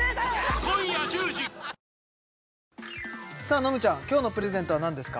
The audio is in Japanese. のむちゃん今日のプレゼントは何ですか？